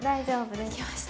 できました。